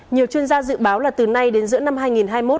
nhiều chuyên gia dự báo là từ nay đến giữa năm hai nghìn hai mươi một